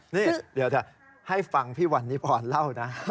นี่เดี๋ยวจะให้ฟังพี่วันนิพรเล่านะ